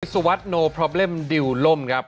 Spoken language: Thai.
สวัสดิ์โนโพรเบิ้มดิวล่มครับ